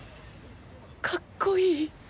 かっこいい。